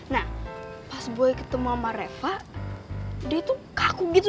nah pas boy ketemu sama reva dia tuh kaku gitu